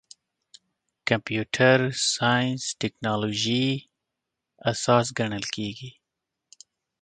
کمپیوټر ساینس د ټکنالوژۍ اساس ګڼل کېږي.